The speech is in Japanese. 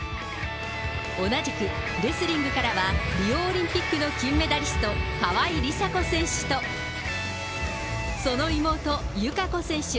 同じくレスリングからは、リオオリンピックの金メダリスト、川井梨紗子選手と、その妹、ゆかこ選手。